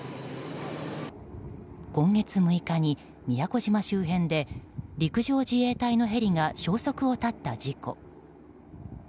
今月６日に宮古島周辺で陸上自衛隊のヘリが消息を絶った事故。